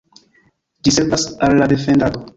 Ĝi servas al la defendado.